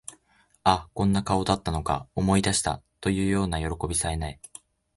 あ、こんな顔だったのか、思い出した、というようなよろこびさえ無い